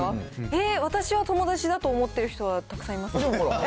えー、私は友達だと思ってる人はたくさんいますけど。